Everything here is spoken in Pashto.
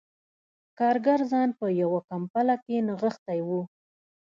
کارګر ځان په یوه کمپله کې نغښتی و